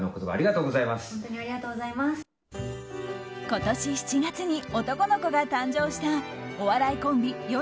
今年７月に男の子が誕生したお笑いコンビよ